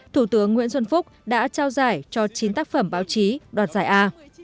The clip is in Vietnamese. thủ tướng nguyễn xuân phúc đã trao giải cho chín tác phẩm báo chí đoạt giải a